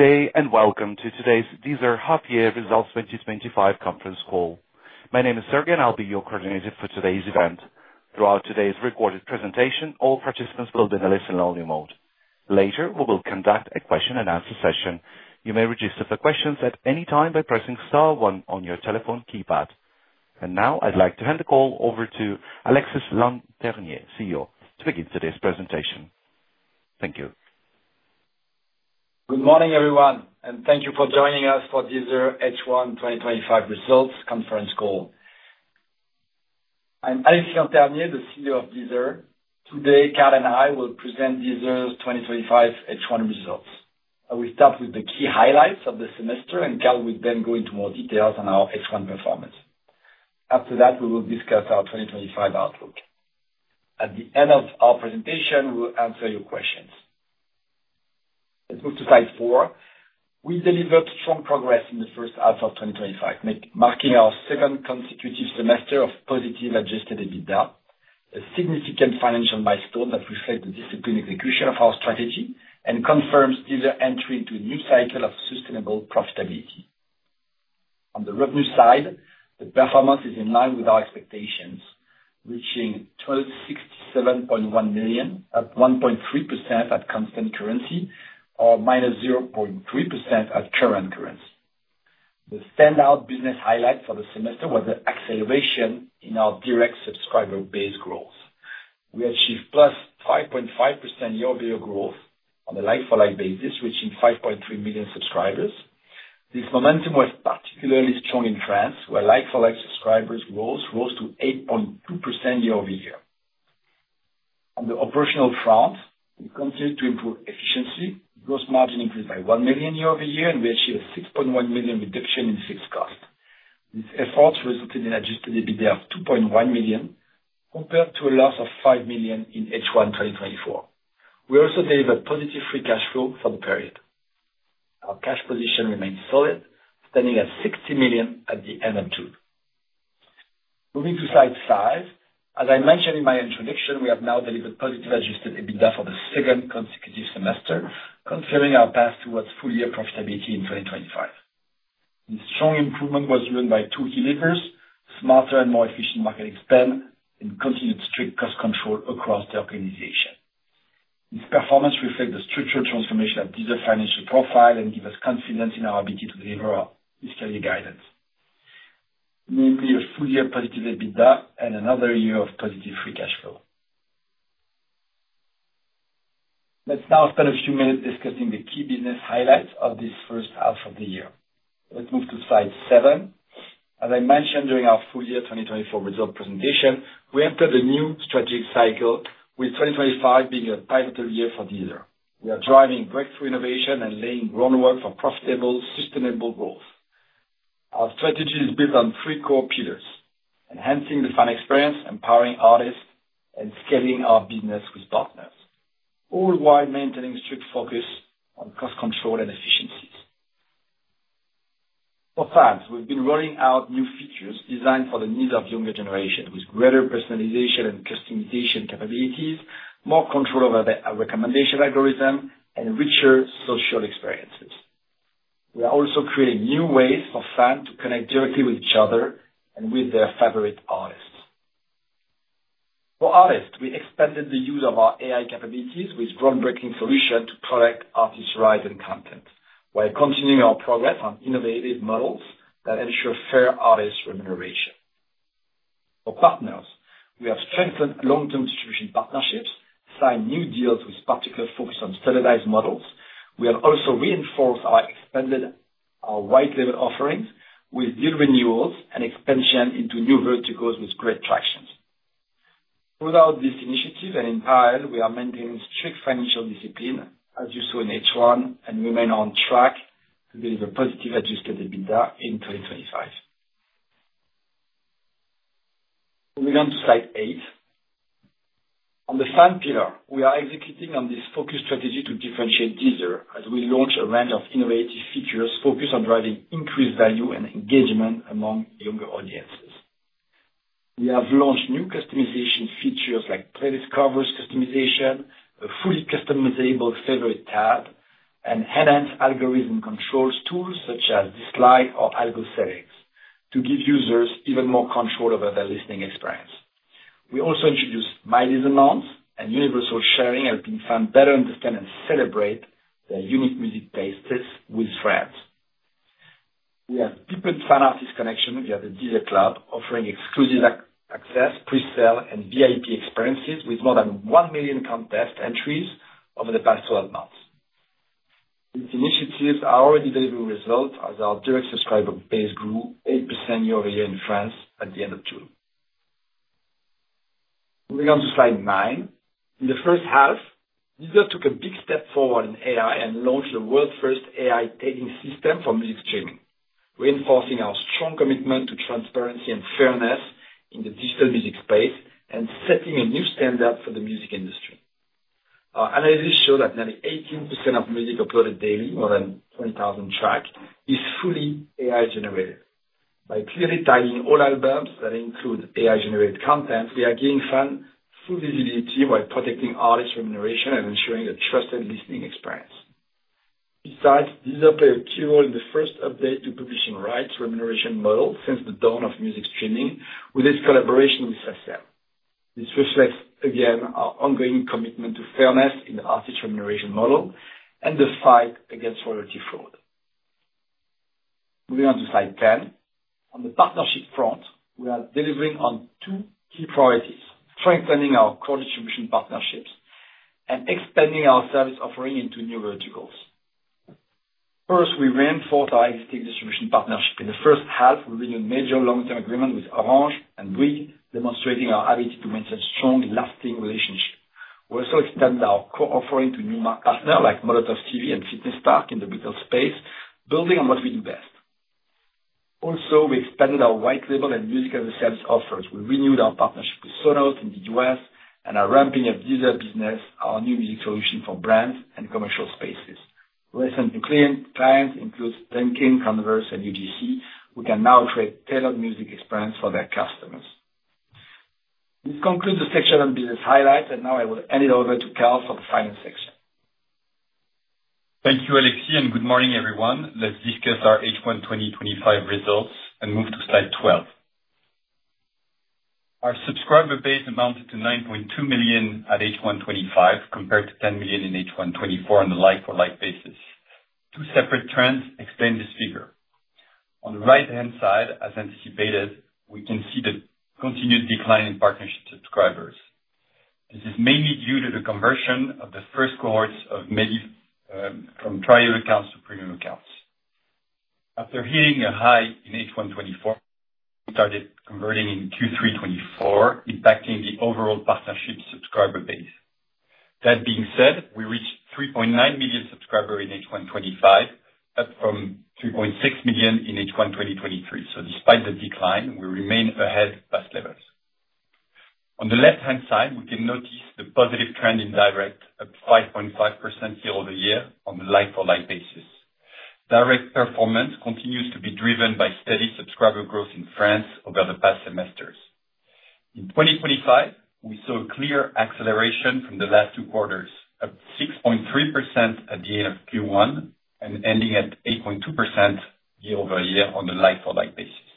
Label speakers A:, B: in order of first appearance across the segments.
A: Good day and welcome to today's Deezer Alexis Lanternier 2025 conference call. My name is Sergey, and I'll be your coordinator for today's event. Throughout today's recorded presentation, all participants will be in a listen-only mode. Later, we will conduct a question-and-answer session. You may register for questions at any time by pressing star one on your telephone keypad. I'd like to hand the call over to Alexis Lanternier, CEO, to begin today's presentation. Thank yo
B: Good morning, everyone, and thank you for joining us for Deezer H1 2025 results conference call. I'm Alexis Lanternier, the CEO of Deezer. Today, Carl and I will present Deezer's 2025 H1 results. I will start with the key highlights of the semester, and Carl will then go into more details on our H1 performance. After that, we will discuss our 2025 outlook. At the end of our presentation, we'll answer your questions. Let's move to slide 4. We delivered strong progress in the first half of 2025, marking our seventh consecutive semester of positive adjusted EBITDA, a significant financial milestone that will set the discipline execution of our strategy and confirms Deezer's entry into a new cycle of sustainable profitability. On the revenue side, the performance is in line with our expectations, reaching 167.1 million, up 1.3% at constant currency, or -0.3% at current currency. The standout business highlight for the semester was the acceleration in our direct subscriber base growth. We achieved +5.5% year-over-year growth on a like-for-like basis, reaching 5.3 million subscribers. This momentum was particularly strong in France, where like-for-like subscribers' growth rose to 8.2% year-over-year. On the operational front, we continued to improve efficiency. Gross margin increased by 1 million year-over-year, and we achieved a 6.1 million reduction in fixed costs. These efforts resulted in an adjusted EBITDA of 2.1 million compared to a loss of 5 million in H1 2024. We also delivered positive free cash flow for the period. Our cash position remained solid, standing at 60 million at the end of Q2. Moving to slide 5, as I mentioned in my introduction, we have now delivered positive adjusted EBITDA for the second consecutive semester, confirming our path towards full-year profitability in 2025. This strong improvement was driven by two key levers: smarter and more efficient marketing spend, and continued strict cost control across the organization. This performance reflects the structural transformation of Deezer's financial profile and gives us confidence in our ability to deliver our fiscal year guidance, meaning we reached full-year positive EBITDA and another year of positive free cash flow. Let's now spend a few minutes discussing the key business highlights of this first half of the year. Let's move to slide 7. As I mentioned during our full-year 2024 results presentation, we entered a new strategic cycle, with 2025 being a pivotal year for Deezer. We are driving breakthrough innovation and laying the groundwork for profitable, sustainable growth. Our strategy is built on three core pillars: enhancing the fan experience, empowering artists, and scaling our business with partners, all while maintaining strict focus on cost control and efficiency. For fans, we've been rolling out new features designed for the needs of the younger generation, with greater personalization and customization capabilities, more control over the recommendation algorithm, and richer social experiences. We are also creating new ways for fans to connect directly with each other and with their favorite artists. For artists, we expanded the use of our AI capabilities with groundbreaking solutions to collect artists' rights and content, while continuing our progress on innovative models that ensure fair artist remuneration. For partners, we have strengthened long-term distribution partnerships, signed new deals with a particular focus on standardized models. We have also reinforced our expanded white label offerings, with deal renewals and expansion into new verticals with great traction. Throughout this initiative and entire, we are maintaining strict financial discipline, as you saw in H1, and remain on track to deliver positive adjusted EBITDA in 2025. Moving on to slide 8. On the fan pillar, we are executing on this focused strategy to differentiate Deezer, as we launch a range of innovative features focused on driving increased value and engagement among younger audiences. We have launched new customization features like playlist cover customization, a fully customizable favorite tab, and enhanced algorithm control tools such as Dislike or Algo Settings to give users even more control over their listening experience. We also introduced MyDeezer Launch and universal sharing, helping fans better understand and celebrate their unique music playlists with friends. We have deepened fan artist connections via the Deezer Club, offering exclusive access, presale, and VIP experiences with more than 1 million contest entries over the past 12 months. These initiatives are already delivering results, as our direct subscriber base grew 8% year-over-year in France at the end of Q2. Moving on to slide 9. In the first half, Deezer took a big step forward in AI and launched the world's first AI music tagging system for music streaming, reinforcing our strong commitment to transparency and fairness in the digital music space and setting a new standard for the music industry. Our analysis shows that nearly 18% of music uploaded daily, more than 20,000 tracks, is fully AI-generated. By clearly tagging all albums that include AI-generated content, we are giving fans full visibility while protecting artist remuneration and ensuring a trusted listening experience. Besides, Deezer played a key role in the first update to publishing rights remuneration models since the dawn of music streaming with its collaboration with Success. This reflects, again, our ongoing commitment to fairness in the artist remuneration model and the fight against royalty fraud. Moving on to slide 10. On the partnership front, we are delivering on two key priorities: strengthening our core distribution partnerships and expanding our service offering into new verticals. First, we reinforced our existing distribution partnership in the first half, revealing a major long-term agreement with Orange and Free, demonstrating our ability to maintain a strong, lasting relationship. We also extended our core offering to new market partners like Molotov TV and Fitness Park in the retail space, building on what we do best. Also, we expanded our white label and musical resales offers. We renewed our partnership with Sonos in the U.S. and are ramping up Deezer business, our new music solution for brands and commercial spaces. Recently claimed clients include Converse and UGC, who can now create tailored music experiences for their customers. This concludes the section on business highlights, and now I will hand it over to Carl for the finance section.
C: Thank you, Alexis, and good morning, everyone. Let's discuss our H1 2025 results and move to slide 12. Our subscriber base amounted to 9.2 million at H1 2025, compared to 10 million in H1 2024 on a like-for-like basis. Two separate trends explain this figure. On the right-hand side, as anticipated, we can see the continued decline in partnership subscribers. This is mainly due to the conversion of the first cohorts from trial accounts to premium accounts. After hitting a high in H1 2024, we started converting in Q3 2024, impacting the overall partnership subscriber base. That being said, we reached 3.9 million subscribers in H1 2025, up from 3.6 million in H1 2023. Despite the decline, we remain ahead of past levels. On the left-hand side, we can notice the positive trend in direct, up 5.5% year-over-year on a like-for-like basis. Direct performance continues to be driven by steady subscriber growth in France over the past semesters. In 2025, we saw a clear acceleration from the last two quarters, up 6.3% at the end of Q1 and ending at 8.2% year-over-year on a like-for-like basis.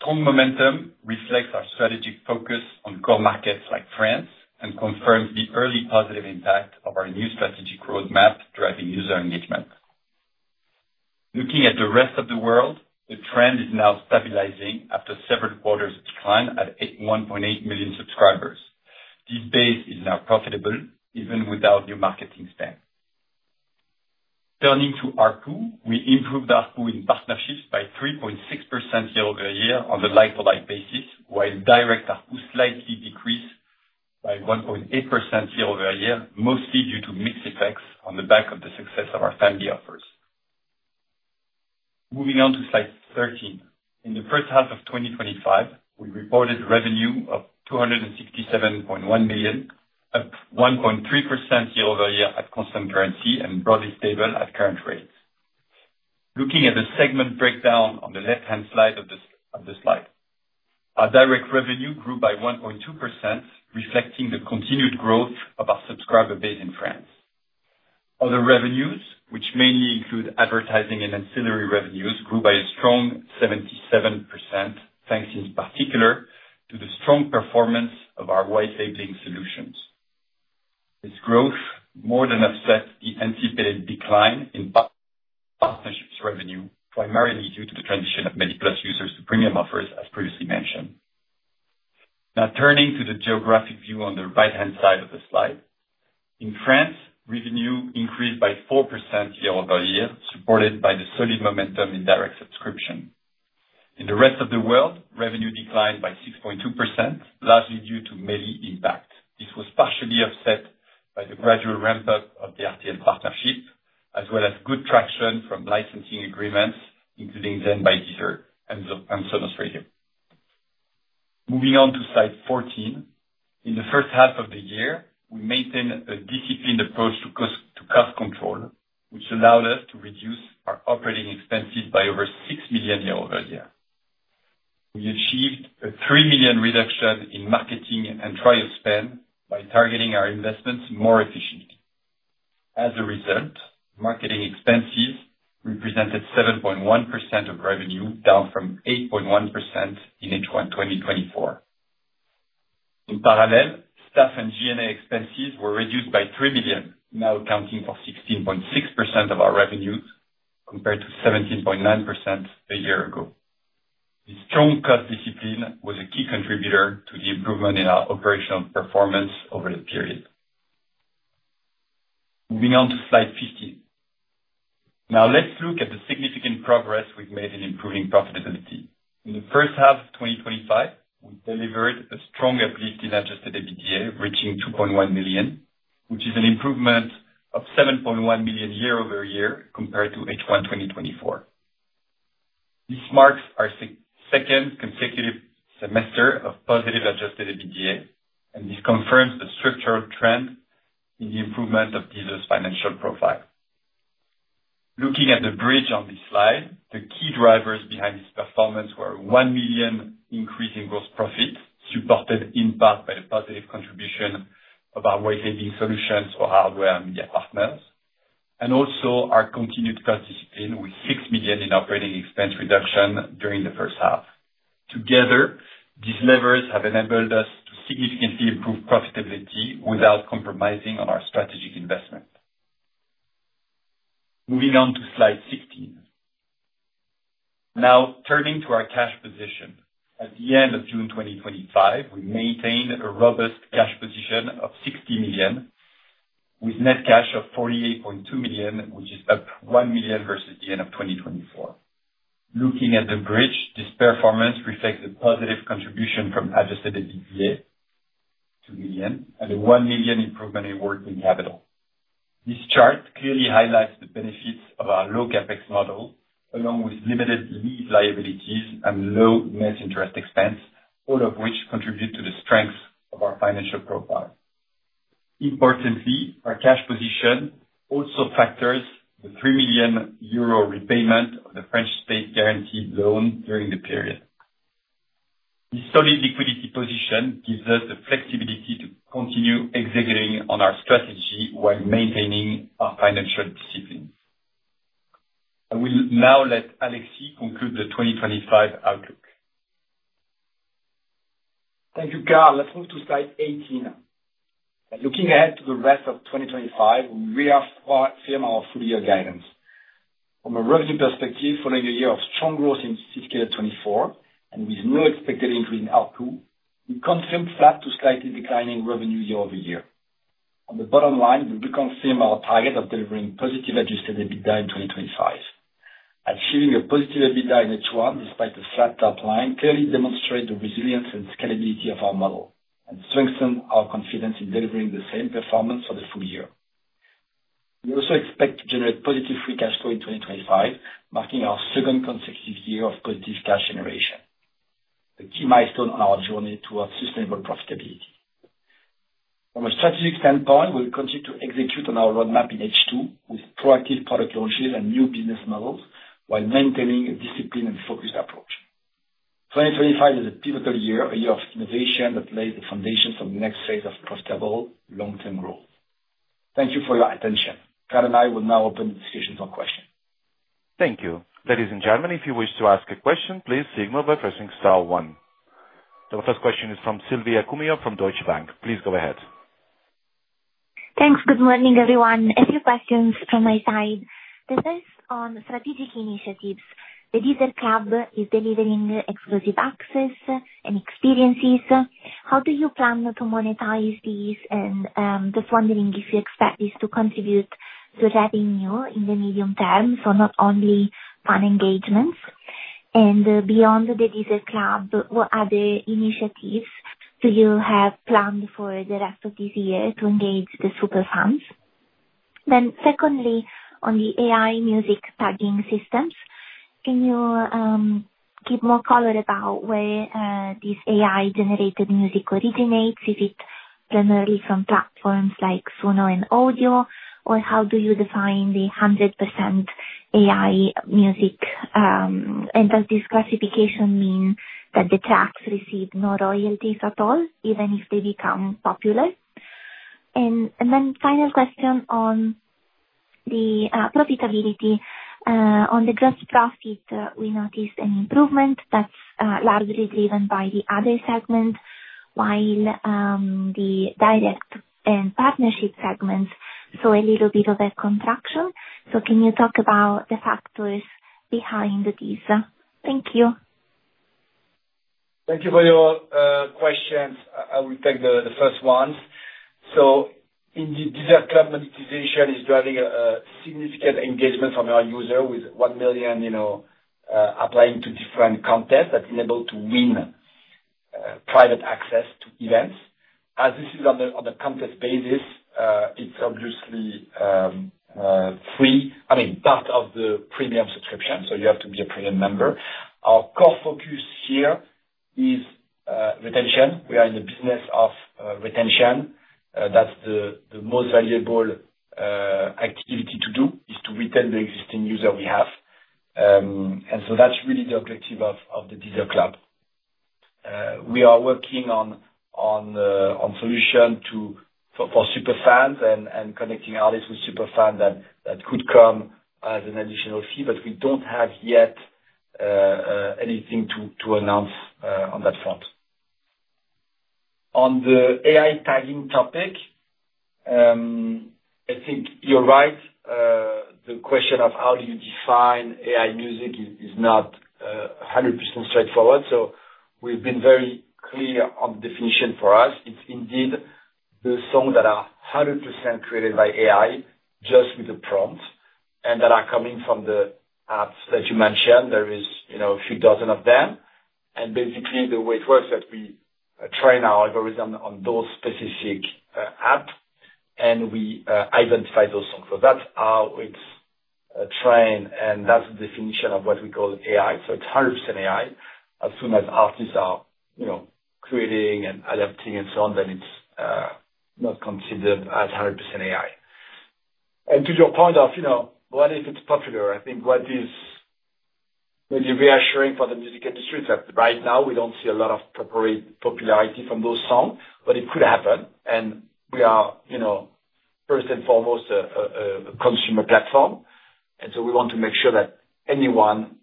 C: Strong momentum reflects our strategic focus on core markets like France and confirms the early positive impact of our new strategic roadmap, driving user engagement. Looking at the rest of the world, the trend is now stabilizing after several quarters of decline at 1.8 million subscribers. This base is now profitable, even without new marketing spend. Turning to ARPU, we improved ARPU in partnerships by 3.6% year-over-year on a like-for-like basis, while direct ARPU slightly decreased by 1.8% year-over-year, mostly due to mixed effects on the back of the success of our family offers. Moving on to slide 13. In the first half of 2025, we reported revenue of 267.1 million, up 1.3% year-over-year at constant currency and broadly stable at current rates. Looking at the segment breakdown on the left-hand side of the slide, our direct revenue grew by 1.2%, reflecting the continued growth of our subscriber base in France. Other revenues, which mainly include advertising and ancillary revenues, grew by a strong 77%, thanks in particular to the strong performance of our white label offerings. This growth more than offsets the antecedent decline in partnerships revenue, primarily due to the transition of Mediaplus users to premium offers, as previously mentioned. Now, turning to the geographic view on the right-hand side of the slide, in France, revenue increased by 4% year-over-year, supported by the solid momentum in direct subscription. In the rest of the world, revenue declined by 6.2%, largely due to many impacts. This was partially offset by the gradual ramp-up of the RTL partnerships, as well as good traction from licensing agreements, including Zen by Deezer and Sonos Radio. Moving on to slide 14. In the first half of the year, we maintained a disciplined approach to cost control, which allowed us to reduce our operating expenses by over 6 million euros year-over-year. We achieved a 3 million reduction in marketing and trial spend by targeting our investments more efficiently. As a result, marketing expenses represented 7.1% of revenue, down from 8.1% in H1 2024. In parallel, staff and G&A expenses were reduced by 3 million, now accounting for 16.6% of our revenues compared to 17.9% a year ago. This strong cost discipline was a key contributor to the improvement in our operational performance over that period. Moving on to slide 15. Now, let's look at the significant progress we've made in improving profitability. In the first half of 2025, we delivered a strong uplift in adjusted EBITDA, reaching 2.1 million, which is an improvement of 7.1 million year-over-year compared to H1 2024. This marks our second consecutive semester of positive adjusted EBITDA, and this confirms the structural trend in the improvement of Deezer's financial profile. Looking at the bridge on this slide, the key drivers behind this performance were a 1 million increase in gross profits, supported in part by the positive contribution of our white label offerings for hardware and media partners, and also our continued cost discipline with 6 million in operating expense reduction during the first half. Together, these levers have enabled us to significantly improve profitability without compromising on our strategic investment. Moving on to slide 16. Now, turning to our cash position. At the end of June 2025, we maintained a robust cash position of 60 million, with net cash of 48.2 million, which is up 1 million versus the end of 2024. Looking at the bridge, this performance reflects a positive contribution from adjusted EBITDA, 2 million, and a 1 million improvement in working capital. This chart clearly highlights the benefits of our low CapEx model, along with limited leave liabilities and low net interest expense, all of which contributed to the strength of our financial profile. Importantly, our cash position also factors the 3 million euro repayment of the French state-guaranteed loan during the period. This solid liquidity position gives us the flexibility to continue executing on our strategy while maintaining our financial discipline. I will now let Alexis conclude the 2025 outlook.
B: Thank you, Carl. Let's move to slide 18. Looking ahead to the rest of 2025, we reaffirmed our full-year guidance. From a revenue perspective, following a year of strong growth in fiscal year 2024, and with no expected increase in ARPU, we confirmed flat to slightly declining revenue year-over-year. On the bottom line, we reconfirmed our target of delivering positive adjusted EBITDA in 2025. Achieving a positive EBITDA in H1, despite the flat top line, clearly demonstrated the resilience and scalability of our model and strengthened our confidence in delivering the same performance for the full year. We also expect to generate positive free cash flow in 2025, marking our second consecutive year of positive cash generation, a key milestone on our journey towards sustainable profitability. From a strategic standpoint, we'll continue to execute on our roadmap in H2, with proactive product launches and new business models, while maintaining a disciplined and focused approach. 2025 is a pivotal year, a year of innovation that lays the foundations for the next phase of profitable long-term growth. Thank you for your attention. Carl and I will now open to questions.
A: Thank you. That is in German. If you wish to ask a question, please signal by pressing star one. The first question is from Silvia Cuneo from Deutsche Bank. Please go ahead.
D: Thanks. Good morning, everyone. A few questions from my side. The first is on strategic initiatives. The Deezer Club is delivering exclusive access and experiences. How do you plan to monetize these? I am just wondering if you expect this to contribute to revenue in the medium term, so not only fan engagements. Beyond the Deezer Club, what other initiatives do you have planned for the rest of this year to engage the super fans? Secondly, on the AI music tagging system, can you give more color about where this AI-generated music originates? Is it primarily from platforms like Suno and Udio? How do you define the 100% AI music? Does this classification mean that the tracks receive no royalties at all, even if they become popular? Final question on the profitability. On the gross profit, we noticed an improvement that's largely driven by the other segment, while the direct and partnership segments saw a little bit of a contraction. Can you talk about the factors behind these? Thank you.
B: Thank you for your questions. I will take the first one. Indeed, Deezer Club monetization is driving significant engagement from our users, with 1 million applying to different contests that enable them to win private access to events. As this is on a contest basis, it's obviously free, I mean, part of the premium subscription. You have to be a premium member. Our core focus here is retention. We are in the business of retention. That's the most valuable activity to do, to retain the existing users we have. That's really the objective of the Deezer Club. We are working on solutions for super fans and connecting artists with super fans that could come as an additional fee, but we don't have yet anything to announce on that front. On the AI tagging topic, I think you're right. The question of how you define AI music is not 100% straightforward. We've been very clear on the definition for us. It's the songs that are 100% created by AI, just with a prompt, and that are coming from the apps that you mentioned. There are a few dozen of them. Basically, the way it works is that we train our algorithm on those specific apps and we identify those songs. That's how it's trained, and that's the definition of what we call AI. It's 100% AI. As soon as artists are creating and adapting and so on, then it's not considered as 100% AI. To your point of whether it is popular, I think what is maybe reassuring for the music industry is that right now we don't see a lot of popularity from those songs, but it could happen. We are, first and foremost, a consumer platform. We want to make sure that anyone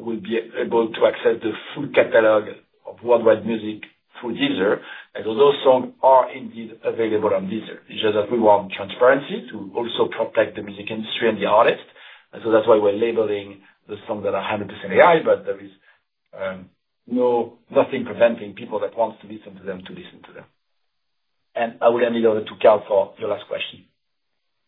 B: will be able to access the full catalog of worldwide music through Deezer. Those songs are indeed available on Deezer. We want transparency to also protect the music industry and the artists. That's why we're labeling the songs that are 100% AI, but there is nothing preventing people that want to listen to them from listening to them. I would hand it over to Carl for your last question.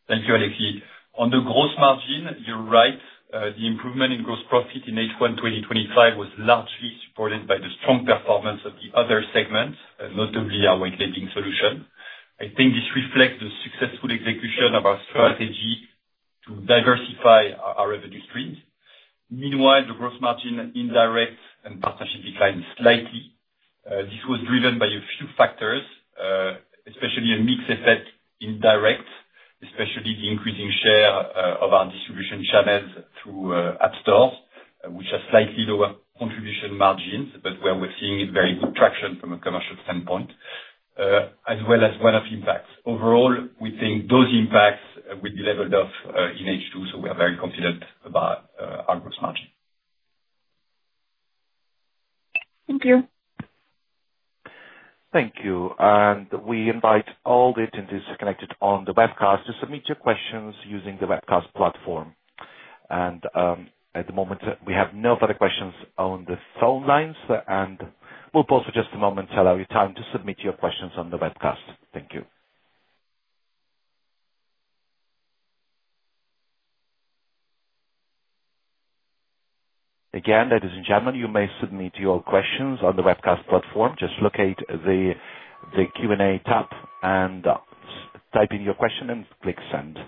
C: Thank you, Alexis. On the gross margin, you're right. The improvement in gross profit in H1 2025 was largely supported by the strong performance of the other segments, notably our white label offerings. I think this reflects the successful execution of our strategy to diversify our revenue streams. Meanwhile, the gross margin in direct and partnership declined slightly. This was driven by a few factors, especially a mixed effect in direct, especially the increasing share of our distribution channels through app stores, which have slightly lower contribution margins, but where we're seeing very good traction from a commercial standpoint, as well as one-off impacts. Overall, we think those impacts would be leveled off in H2, so we are very confident about our gross margin.
D: Thank you.
A: Thank you. We invite all the attendees connected on the webcast to submit your questions using the webcast platform. At the moment, we have no further questions on the phone lines. We'll pause for just a moment to allow you time to submit your questions on the webcast. Thank you. That is in German. You may submit your questions on the webcast platform. Just locate the Q&A tab, type in your question, and click send.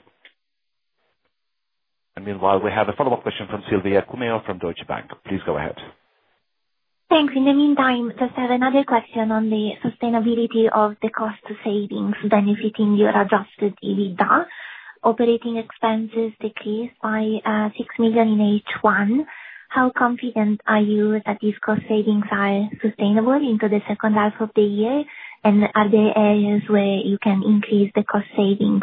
A: Meanwhile, we have a follow-up question from Silvia Cuneo from Deutsche Bank. Please go ahead.
D: Thanks. In the meantime, I just have another question on the sustainability of the cost savings benefiting your adjusted EBITDA. Operating expenses decreased by 6 million in H1. How confident are you that these cost savings are sustainable into the second half of the year? Are there areas where you can increase the cost savings?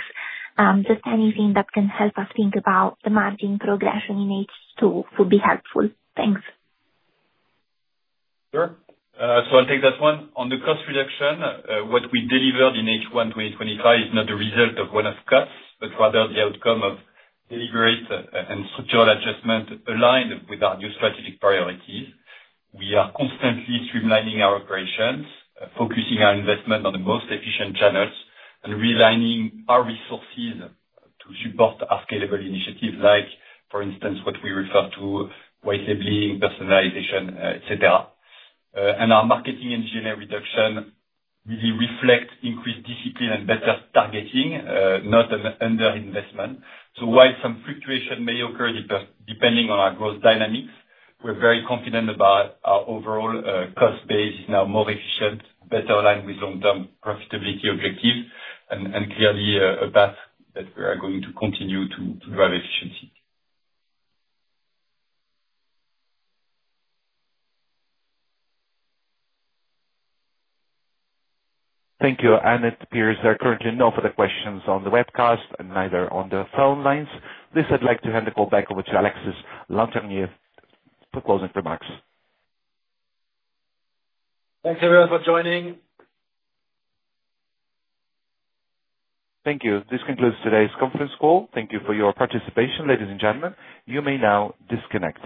D: Anything that can help us think about the margin progression in H2 would be helpful. Thanks.
C: Sure. I'll take that one. On the cost reduction, what we delivered in H1 2025 is not a result of one-off costs, but rather the outcome of deliberate and structural adjustment aligned with our new strategic priorities. We are constantly streamlining our operations, focusing our investment on the most efficient channels, and realigning our resources to support our scalable initiatives like, for instance, what we refer to as white labeling, personalization, etc. Our marketing and G&A reduction really reflect increased discipline and better targeting, not an underinvestment. While some fluctuation may occur, depending on our growth dynamics, we're very confident our overall cost base is now more efficient, better aligned with long-term profitability objectives, and clearly a path that we are going to continue to drive efficiency.
A: Thank you. It appears there are currently no further questions on the webcast and neither on the phone lines. With this, I'd like to hand the call back over to Alexis Lanternier for closing remarks.
B: Thanks, everyone, for joining.
A: Thank you. This concludes today's conference call. Thank you for your participation, ladies and gentlemen. You may now disconnect.